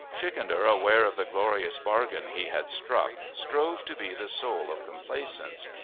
Schikaneder, aware of the glorious bargain he had struck, strove to be the soul of complaisance.